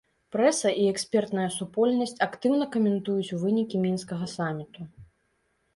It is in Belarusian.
Прэса і экспертная супольнасць актыўна каментуюць вынікі мінскага саміту.